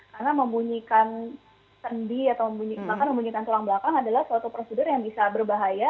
karena membunyikan sendi atau membunyikan tulang belakang adalah suatu prosedur yang bisa berbahaya